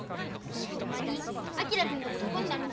ほんまに昭君とこの子になるの？